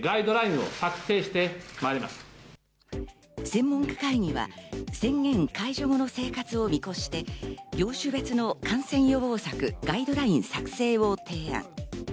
専門家会議は宣言解除後の生活を見越して業種別の感染予防策ガイドライン作成を提案。